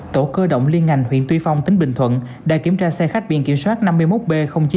tổ cơ động liên ngành huyện tuy phong tỉnh bình thuận đã kiểm tra xe khách biện kiểm soát năm mươi một b chín nghìn chín trăm linh một